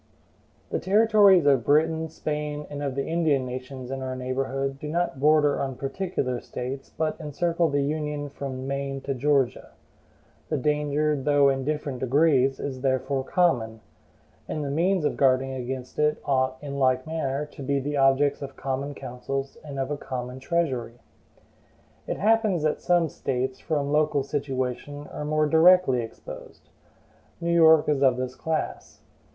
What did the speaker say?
The territories of Britain, Spain, and of the Indian nations in our neighborhood do not border on particular States, but encircle the Union from Maine to Georgia. The danger, though in different degrees, is therefore common. And the means of guarding against it ought, in like manner, to be the objects of common councils and of a common treasury. It happens that some States, from local situation, are more directly exposed. New York is of this class.